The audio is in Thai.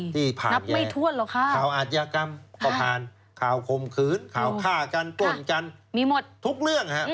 ที่ผ่านแกข่าวอาชญากรรมเขาผ่านข่าวคมขืนข่าวฆ่ากันต้นกันทุกเรื่องครับ